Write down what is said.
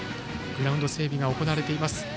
グラウンド整備が行われています。